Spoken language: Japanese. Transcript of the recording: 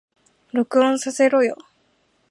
録音させろよ